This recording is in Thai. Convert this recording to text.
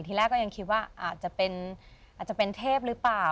ทีแรกก็ยังคิดว่าอาจจะเป็นเทพหรือเปล่า